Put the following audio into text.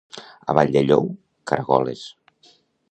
A Valldellou, caragoles.